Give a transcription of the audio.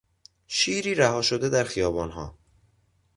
شیری رها شده در خیابانها